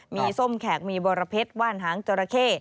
มีส้มแขกมีบรเพชรว่านหางจราเข้